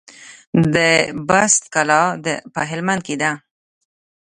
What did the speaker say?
د بست کلا په هلمند کې ده